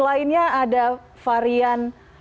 lainnya ada varian